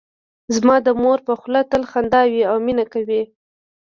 زما د مور په خوله تل خندا وي او مینه کوي